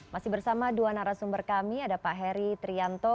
masih bersama dua narasumber kami ada pak heri trianto